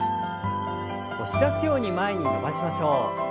押し出すように前に伸ばしましょう。